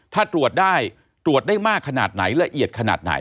ถ้าตรวจได้ตรวจได้มากขนาดไหนละเอียดขนาดไหน